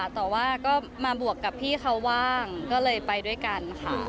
แต่ว่าก็มาบวกกับพี่เขาว่างก็เลยไปด้วยกันค่ะ